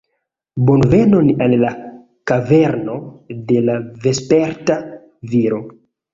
Bonvenon al la kaverno de la Vesperta Viro